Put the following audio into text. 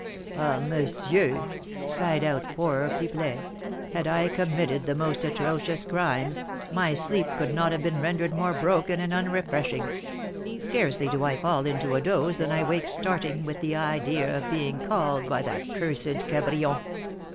"Ah, monsieur," sighed out poor Pipelet, "had I committed the most atrocious crimes, my sleep could not have been rendered more broken and unrefreshing; scarcely do I fall into a doze than I wake starting with the idea of being called by that cursed Cabrion!